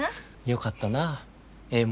よかったなええ